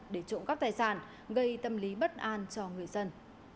để trộm cắp tài sản gây tâm lý bất an cho người dân